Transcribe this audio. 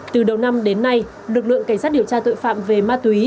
từ đầu năm đến nay lực lượng cảnh sát điều tra tội phạm về ma túy